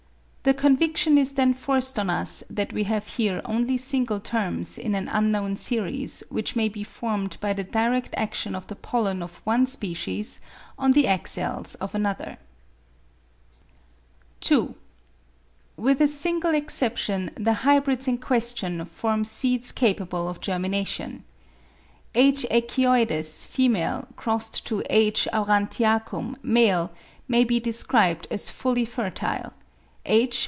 The conviction is then forced on us that we have here only single terms in an unknown series which may be formed by the direct action of the pollen of one species on the egg cells of another. 366 Menders Experiments 2. With a single exception the hybrids in question form seeds capable of germination. H. echioides $ x H. aurantiacum $ may be described as fully fertile ; H.